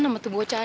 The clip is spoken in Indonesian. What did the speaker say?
nama tu bocah